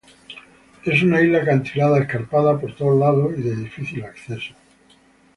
Es una isla acantilada, escarpada por todos los lados y de difícil acceso.